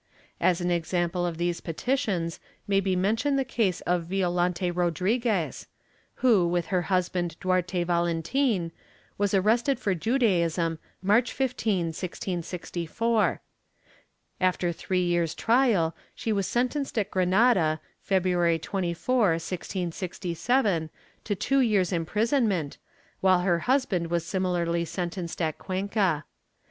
As an example of these petitions may be mentioned the case of Violante Rodriguez who, with her husband Duarte Valentin, was arrested for Judaism March 15, 1664. After a three years' trial, she was sentenced at Granada, February 24, 1667, to two years' imprisonment, while her husband was similarly sentenced at Cuenca.